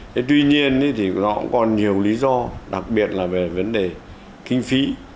thế tuy nhiên thì nó cũng còn nhiều lý do đặc biệt là về vấn đề kinh phí